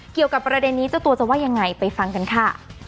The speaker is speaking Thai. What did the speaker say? เกี่ยวกับประเด็นนี้เจ้าตัวจะว่ายังไงไปฟังกันค่ะ